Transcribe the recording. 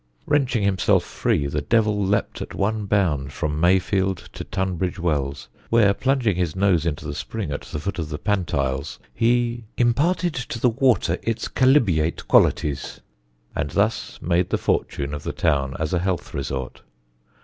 Wrenching himself free, the Devil leaped at one bound from Mayfield to Tunbridge Wells, where, plunging his nose into the spring at the foot of the Pantiles, he "imparted to the water its chalybeate qualities," and thus made the fortune of the town as a health resort.